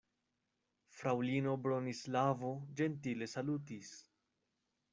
Fraŭlino Bronislavo ĝentile salutis.